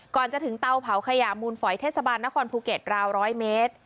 ก่อนจะถึงเตาเผาขยะมูลฝอยเทศบาลนครภูเก็ตราว๑๐๐เมตร